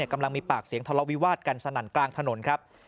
กำลังมีปากเสียงทะเลาวิวาสกันสนั่นกลางถนนครับ